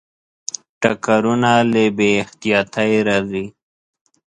ټکرونه له بې احتیاطۍ راځي.